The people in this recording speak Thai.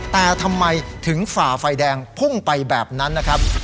แต่ทำไมถึงฝ่าไฟแดงพุ่งไปแบบนั้นนะครับ